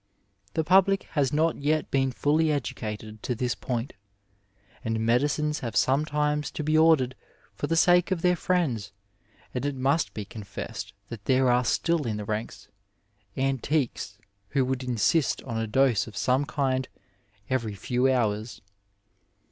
The public has not yet been fully educated to this point, and medicines have sometimes to be ordered for the sake of their friends, and it must be confessed that there are still in the ranks cmiiques who would insist on a dose of some kind every few hours.